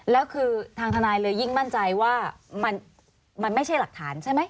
แล้วคือทางทนายเลยยิ่งมั่นใจว่ามันไม่ใช่หลักฐานใช่ไหม